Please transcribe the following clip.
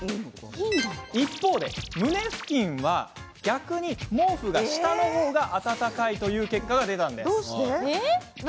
一方で胸付近は逆に毛布が下の方が温かいという結果が出たのです。